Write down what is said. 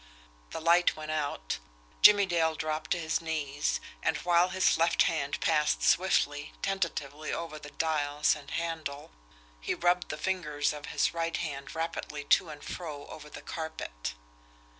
The light went out. Jimmie Dale dropped to his knees; and, while his left hand passed swiftly, tentatively over dials and handle, he rubbed the fingers of his right hand rapidly to and fro over the carpet.